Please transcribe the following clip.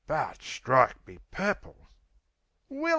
But, strike me purple! "Willy!"